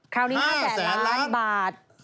คราวนี้๕แสนล้านบาท